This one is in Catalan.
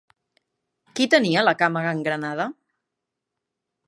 Qui tenia la cama gangrenada?